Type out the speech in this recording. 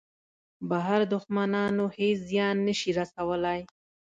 بهر دوښمنان هېڅ زیان نه شي رسولای.